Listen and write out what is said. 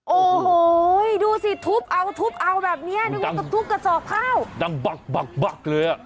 โอ้โหดูสิทุบเอาทุบเอาแบบเนี้ยวันทุบกระจกพร่าวตามบักบักบักเลยอะ